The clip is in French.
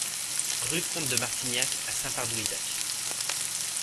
Rue Comte de Martignac à Saint-Pardoux-Isaac